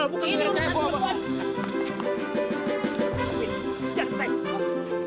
buk ini lu